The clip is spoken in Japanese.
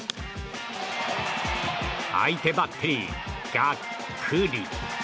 相手バッテリー、がっくり。